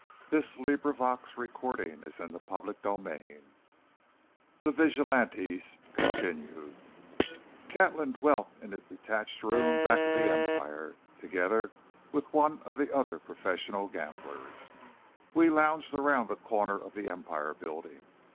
TO THE AGREED RENDEZVOUS"] CHAPTER XXXIX THE VIGILANTES (continued) Catlin dwelt in a detached room back of the Empire, together with one of the other professional gamblers. We lounged around the corner of the Empire building.